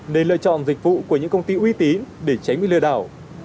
nên lựa chọn dịch vụ của những công ty uy tín để tránh bị lừa đảo